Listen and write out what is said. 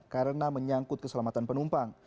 karena menyangkut keselamatan penumpang